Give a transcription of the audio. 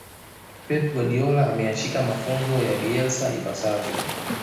pep guardiola ameyashika mafunzo ya bielsa ipasavyo